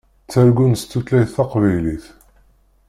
Ttargun s tutlayt taqbaylit.